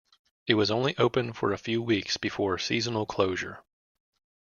It was only open for a few weeks before seasonal closure.